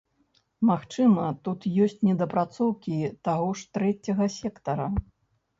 Магчыма, тут ёсць недапрацоўкі таго ж трэцяга сектара.